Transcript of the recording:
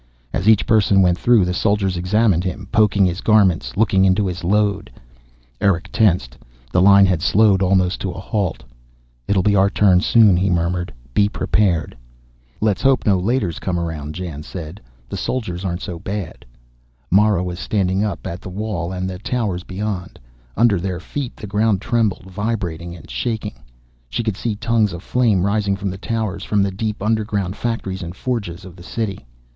As each person went through the soldiers examined him, poking his garments, looking into his load. Erick tensed. The line had slowed almost to a halt. "It'll be our turn, soon," he murmured. "Be prepared." "Let's hope no Leiters come around," Jan said. "The soldiers aren't so bad." Mara was staring up at the wall and the towers beyond. Under their feet the ground trembled, vibrating and shaking. She could see tongues of flame rising from the towers, from the deep underground factories and forges of the City.